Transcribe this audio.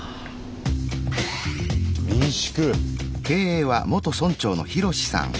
民宿。